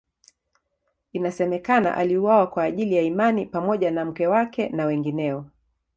Inasemekana aliuawa kwa ajili ya imani pamoja na mke wake na wengineo.